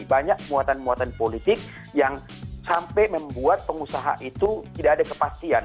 banyak muatan muatan politik yang sampai membuat pengusaha itu tidak ada kepastian